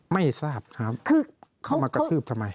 ไม่ทราบครับคือเขามากระทืบทำไม